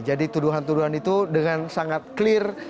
jadi tuduhan tuduhan itu dengan sangat clear